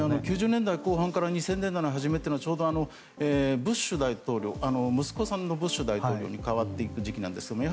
９０年代後半から２０００年代の初めはちょうど息子さんのブッシュ大統領に代わっていく時期なんですよね。